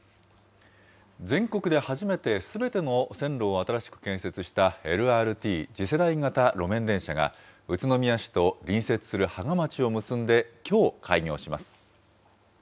全国で初めて、すべての線路を新しく建設した、ＬＲＴ・次世代型路面電車が、宇都宮市と隣接する芳賀町を結んで、きょう開業します。